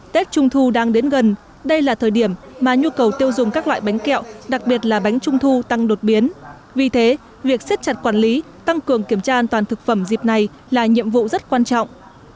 tết trung thu đang đến gần đây là thời điểm mà nhu cầu tiêu dùng các loại bánh kẹo đặc biệt là bánh trung thu tăng đột biến vì thế việc xếp chặt quản lý tăng cường kiểm tra an toàn thực phẩm dịp này là nhiệm vụ rất quan trọng